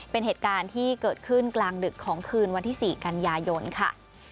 เป็นเหตุการณ์ที่เกิดขึ้นกลางดึกของคืนวันที่๔กันยายนค่ะ